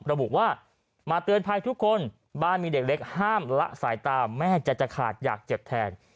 ระบุว่ามาเตือนภัยทุกคนบ้านมีเด็กเล็กห้ามละสายตาแม่จะขาดอยากเจ็บแทน